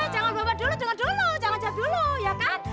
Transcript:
jangan bawa dulu jangan dulu jangan jauh dulu ya kan